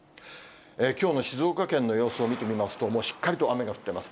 きょうの静岡県の様子を見てみますと、もうしっかりと雨が降ってます。